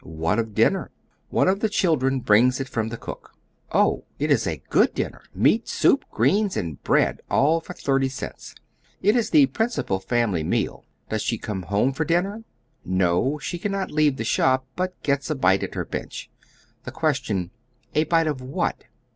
What of dinner? One of the chil dren brings it from tlie cook. Oh ! it is a good dinner, meat, soup, greens and bread, all for thirty cents. It is the principal famCy meal. Does she come home for din ner? No ; she cannot leave tlie shop, but gets a bite at her bench. The question : A bite of what